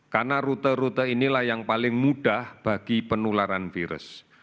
karena rute rute inilah yang paling mudah bagi penularan virus